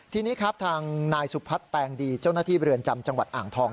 ทีนี้ครับทางนายสุพัฒน์แตงดีเจ้าหน้าที่เรือนจำจังหวัดอ่างทอง